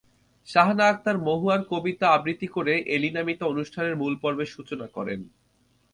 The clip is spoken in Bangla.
শাহানা আকতার মহুয়ার কবিতা আবৃত্তি করে এলিনা মিতা অনুষ্ঠানের মূল পর্বের সূচনা করেন।